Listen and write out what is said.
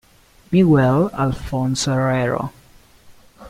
Miguel Alfonso Herrero